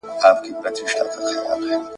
زما په زړه یې جادو کړی زما په شعر یې کوډي کړي `